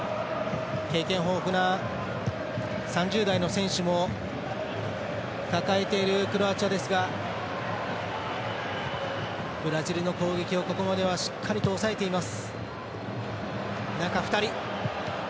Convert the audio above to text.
経験豊富な３０代の選手も抱えているクロアチアですがブラジルの攻撃をここまではしっかりとおさえています。